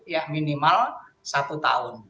ya minimal satu tahun